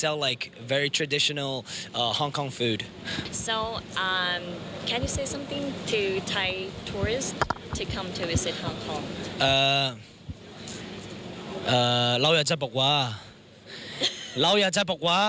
เอ่อเล่าอย่าใจปกว่า